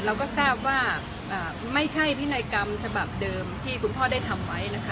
เราก็ทราบว่าไม่ใช่พินัยกรรมฉบับเดิมที่คุณพ่อได้ทำไว้นะคะ